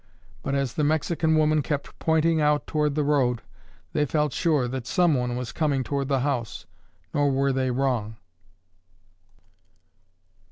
But, as the Mexican woman kept pointing out toward the road, they felt sure that someone was coming toward the house, nor were they wrong.